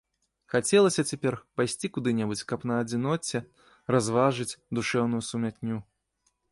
Хацелася цяпер пайсці куды-небудзь, каб на адзіноце разважыць душэўную сумятню.